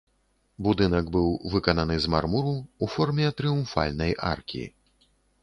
Будынак быў выкананы з мармуру ў форме трыумфальнай аркі.